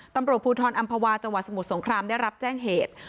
ตำรวจภูทรอำภาวาจังหวัดสมุทรสงครามได้รับแจ้งเหตุ